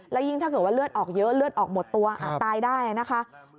แล้วยิ่งถ้าเกิดว่าเลือดออกเยอะเลือดออกหมดตัวอาจตายได้นะคะ